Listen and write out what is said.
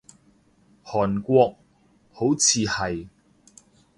韓國，好似係